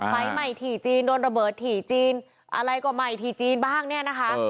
ไฟใหม่ถี่จีนโดนระเบิดถี่จีนอะไรก็ใหม่ที่จีนบ้างเนี่ยนะคะ